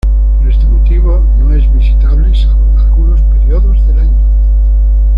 Por este motivo no es visitable, salvo en algunos períodos del año.